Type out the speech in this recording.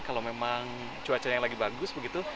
kalau memang cuacanya lagi bagus begitu